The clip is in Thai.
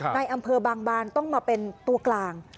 ในอำเภอบางบานต้องมาเป็นตัวกลาง